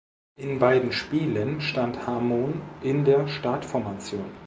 In beiden Spielen stand Harmon in der Startformation.